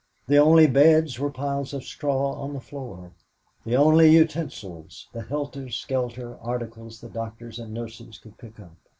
The only beds were piles of straw on the floor. The only utensils the helter skelter articles the doctors and nurses could pick up.